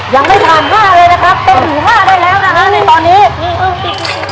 ยังไม่ทันห้าเลยนะครับเต็มหัวได้แล้วนะคะในตอนนี้